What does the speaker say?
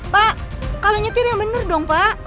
pak kalo nyetir yang bener dong pak